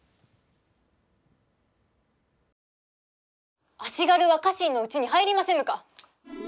足軽は家臣のうちに入りませぬか。